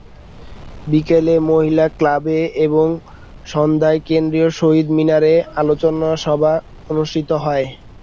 বিকেলে মহিলা ক্লাবে এবং সন্ধ্যায় কেন্দ্রীয় শহীদ মিনারে আলোচনা সভা অনুষ্ঠিত হয়।